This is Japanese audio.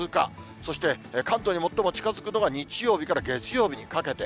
そして、関東に最も近づくのが日曜日から月曜日にかけて。